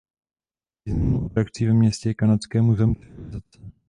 Významnou atrakcí ve městě je Kanadské muzeum civilizace.